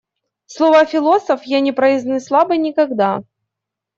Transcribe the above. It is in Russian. Слово «философ» я не произнесла бы никогда.